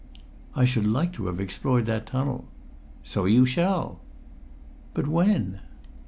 "I should like to have explored that tunnel." "So you shall." "But when?"